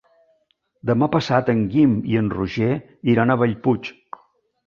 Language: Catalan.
Demà passat en Guim i en Roger iran a Bellpuig.